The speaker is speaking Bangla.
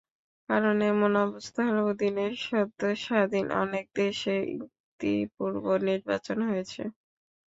কারণ, এমন ব্যবস্থার অধীনে সদ্য স্বাধীন অনেক দেশে ইতিপূর্বে নির্বাচন হয়েছে।